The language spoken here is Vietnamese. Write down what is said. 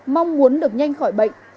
mong muốn được nhanh khỏi bệnh